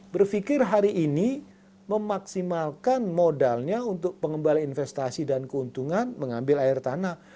berpikir hari ini memaksimalkan modalnya untuk pengembali investasi dan keuntungan mengambil air tanah